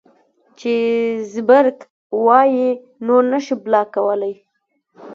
چې زبرګ وائي نور نشې بلاک کولے